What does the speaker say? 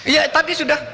iya tadi sudah